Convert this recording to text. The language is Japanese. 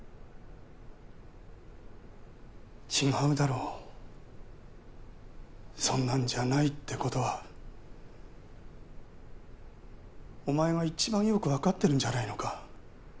違うだろそんなんじゃないってことはお前が一番よく分かってるんじゃないのか？